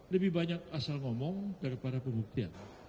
lebih banyak asal ngomong daripada pembuktian